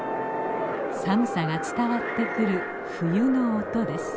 寒さが伝わってくる冬の音です。